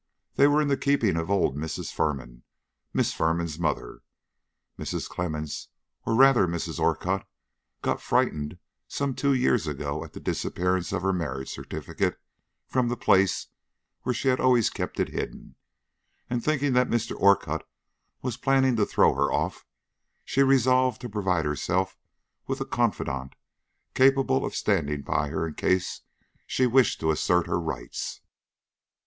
They were in the keeping of old Mrs. Firman, Miss Firman's mother. Mrs. Clemmens, or, rather, Mrs. Orcutt, got frightened some two years ago at the disappearance of her marriage certificate from the place where she had always kept it hidden, and, thinking that Mr. Orcutt was planning to throw her off, she resolved to provide herself with a confidante capable of standing by her in case she wished to assert her rights.